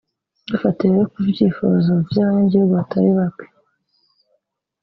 Dufatiye rero ku vyipfuzo vy'abanyihugu batari bake